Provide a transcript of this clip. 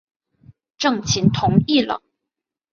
郑覃同意了。